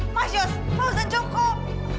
mas yus maksudnya cukup